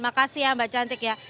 makasih ya mbak cantik ya